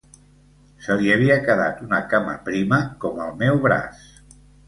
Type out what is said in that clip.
Se li havia quedat una cama prima com el meu braç